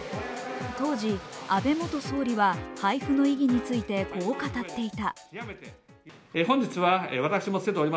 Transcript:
当時、安倍元総理は配布の意義についてこう語っていた。